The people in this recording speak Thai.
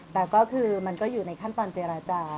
แต่ก็คือมันก็อยู่ในขั้นตอนเจรจา